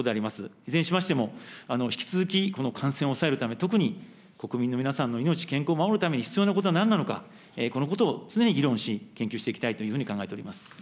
いずれにしましても、引き続き、感染を抑えるため、特に、国民の皆さんの命、健康を守るために必要なことはなんなのか、このことを常に議論し、研究していきたいというふうに考えております。